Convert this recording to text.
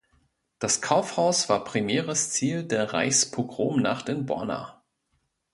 Das Kaufhaus war primäres Ziel der Reichspogromnacht in Borna.